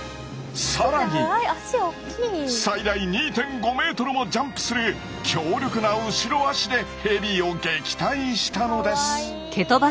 更に最大２．５メートルもジャンプする強力な後ろ足でヘビを撃退したのです。